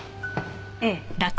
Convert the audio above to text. ええ。